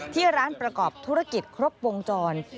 ที่ร้านประกอบธุรกิจครบวงจร